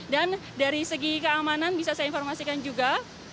dan dari segi keamanan bisa saya informasikan juga